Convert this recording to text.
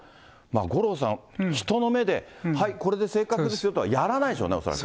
五郎さん、人の目で、はい、これで正確ですよとはやらないですよね、恐らく。